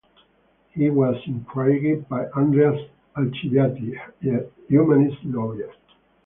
He was intrigued by Andreas Alciati, a humanist lawyer.